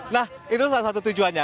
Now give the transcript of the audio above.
nah itu salah satu tujuannya